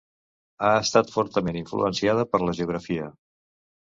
Ha estat fortament influenciada per la geografia.